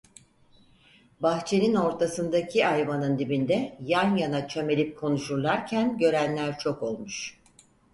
Bahçenin ortasındaki ayvanın dibinde yan yana çömelip konuşurlarken görenler çok olmuş.